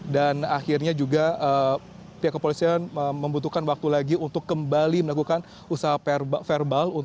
dan akhirnya juga pihak kepolisian membutuhkan waktu lagi untuk kembali melakukan usaha verbal